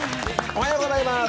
おはようございます。